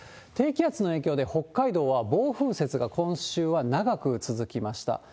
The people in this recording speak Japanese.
低気圧の影響で、北海道は暴風雪が今週は長く続きました。